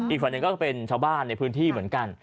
อีกฝ่ายหนึ่งก็เป็นชาวบ้านในพื้นที่เหมือนกัน